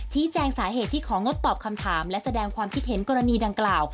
แจ้งสาเหตุที่ของงดตอบคำถามและแสดงความคิดเห็นกรณีดังกล่าว